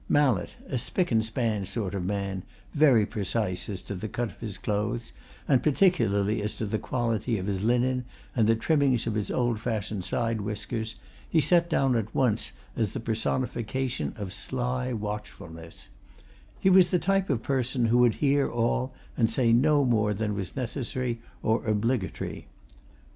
Mallett, a spick and span sort of man, very precise as to the cut of his clothes and particular as to the quality of his linen and the trimming of his old fashioned side whiskers, he set down at once as the personification of sly watchfulness: he was the type of person who would hear all and say no more than was necessary or obligatory.